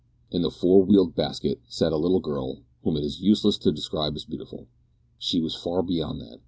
In the four wheeled basket sat a little girl whom it is useless to describe as beautiful. She was far beyond that!